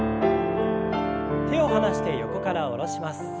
手を離して横から下ろします。